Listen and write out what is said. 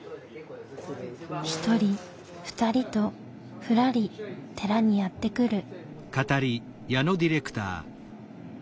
１人２人とふらり寺にやって来る。